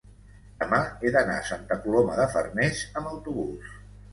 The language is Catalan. demà he d'anar a Santa Coloma de Farners amb autobús.